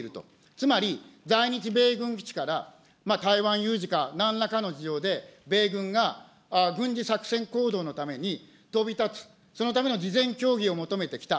つまり、在日米軍基地から台湾有事か何らかの事情で米軍が軍事作戦行動のために飛び立つ、そのための事前協議を求めてきた。